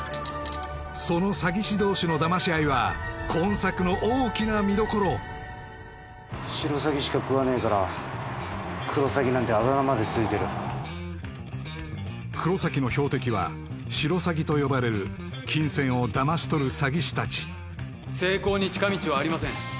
その詐欺師同士のダマし合いは今作の大きな見どころシロサギしか喰わねえからクロサギなんてあだ名までついてる黒崎の標的はシロサギと呼ばれる金銭をダマし取る詐欺師達成功に近道はありません